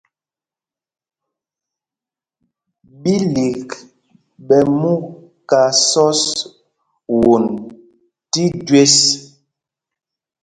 Bílîk ɓɛ mú ká sɔ̄s won tí jüés.